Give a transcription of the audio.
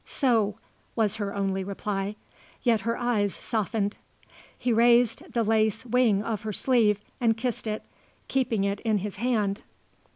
"So," was her only reply. Yet her eyes softened. He raised the lace wing of her sleeve and kissed it, keeping it in his hand.